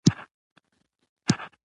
کلیمه د جملې برخه ده.